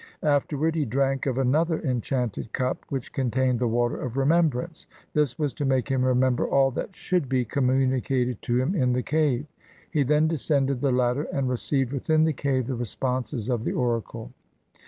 Afterward he drank of another enchanted cup, which contained the water of remembrance; this was to make him remember all that should be communicated to him in the cave. He then descended the ladder, and received within the cave the responses of the oracle.